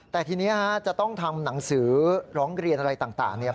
แต่ทีนี้จะต้องทำหนังสือร้องเรียนอะไรต่างเนี่ย